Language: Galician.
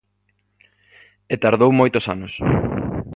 E tardou moitos anos.